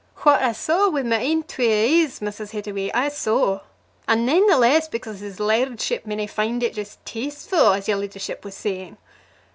"What I saw wi' my ain twa e'es, Mrs. Heetaway, I saw, and nane the less because his lairdship may nae find it jist tastefu', as your leddyship was saying.